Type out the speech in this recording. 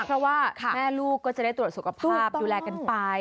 เพราะว่าแม่ลูกก็จะได้ตรวจสุขภาพดูแลกันไป